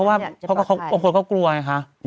เพราะว่าบางคนก็กลัวไงคะ